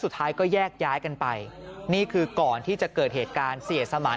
สุดท้ายก็แยกย้ายกันไปนี่คือก่อนที่จะเกิดเหตุการณ์เสียสมาน